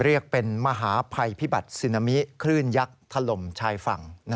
เรียกเป็นมหาภัยพิบัติซึนามิคลื่นยักษ์ถล่มชายฝั่ง